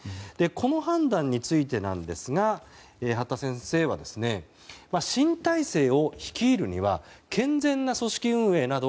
この判断について、八田先生は新体制を率いるには健全な組織運営など